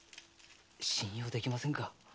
信用できませんか？